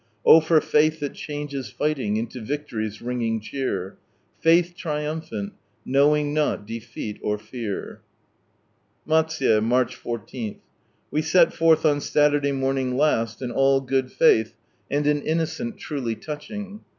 Oh for fslth that change? fighting Into victory's ringing cheer ; Faith triumphant : knowing not defeat or feai \" Matsuye, March 14. — We set forth on Saturday morning last, in all good faith and an innocence truly touching.